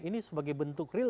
ini sebagai bentuk real